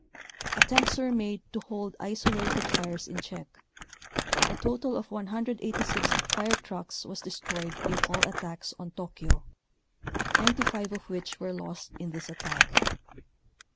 Attempts were made to hold isolated fires in check. A total of 186 fire trucks was destroyed in all attacks on Tokyo, 95 of which were lost in this attack.